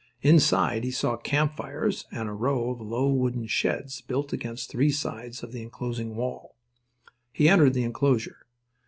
Inside he saw camp fires and a row of low wooden sheds built against three sides of the enclosing wall. He entered the enclosure.